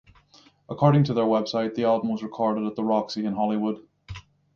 According to their website, the album was recorded at the Roxy in Hollywood.